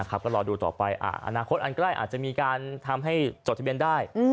ก็รอดูต่อไปอนาคตอันใกล้อาจจะมีการทำให้จดทะเบียนได้